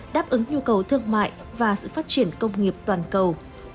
đáp ứng nhu cầu thương mại và sự phát triển công nghiệp toàn cầu